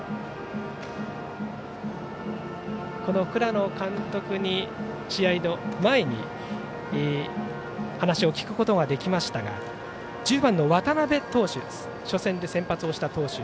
倉野監督に、試合の前に話を聞くことができましたが１０番の渡部投手初戦で先発した投手。